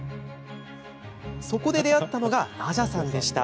そこで出会ったのがナジャさんでした。